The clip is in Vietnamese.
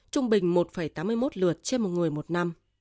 trung bình một tám mươi một lượt trên một người một năm